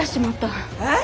えっ？